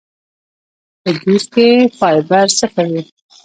پۀ جوس کښې فائبر صفر وي